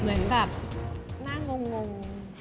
เหมือนแบบหน้างง